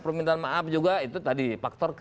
permintaan maaf juga itu tadi faktor